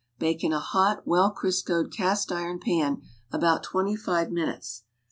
Bake in a hot, well Criscoed cast iron pan about twenty five minutes.